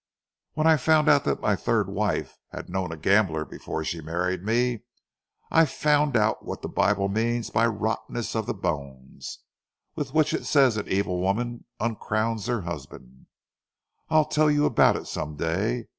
When I found out that my third wife had known a gambler before she married me, I found out what the Bible means by rottenness of the bones with which it says an evil woman uncrowns her husband. I'll tell you about it some day.